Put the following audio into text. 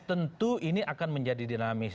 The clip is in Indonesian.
tentu ini akan menjadi dinamis